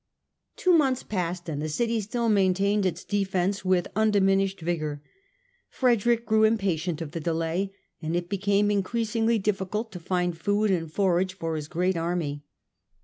Two months passed and the city still maintained its defence with undiminished vigour. Frederick grew impatient of the delay, and it became increasingly diffi cult to find food and forage for his great army.